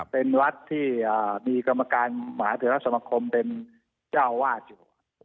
เป็นวัดที่มีกรรมการมศเป็นเจ้าอาวาสอยู่